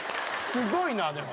すごいなでも。